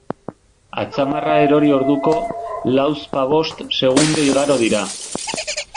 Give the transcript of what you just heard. Atzamarra erori orduko, lauzpabost segundo igaro dira?